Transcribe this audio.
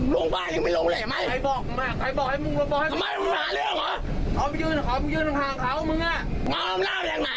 ลองบ้านไม่ลองไม่